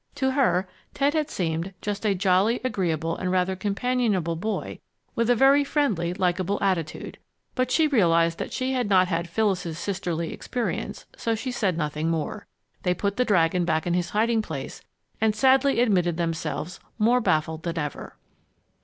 To her, Ted had seemed just a jolly, agreeable, and rather companionable boy, with a very friendly, likable attitude. But she realized that she had not had Phyllis's sisterly experience, so she said nothing more. They put the dragon back in his hiding place and sadly admitted themselves more baffled than ever.